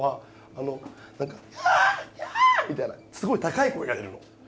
あの何か「あっやっ」みたいなすごい高い声が出るの・